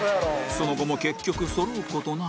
その後も結局そろう事なく